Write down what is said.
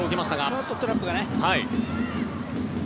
ちょっとトラップがね。